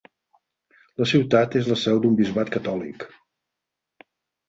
La ciutat és la seu d'un bisbat catòlic.